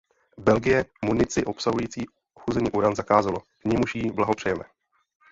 Belgie munici obsahující ochuzený uran zakázalo, k čemuž jí blahopřejeme.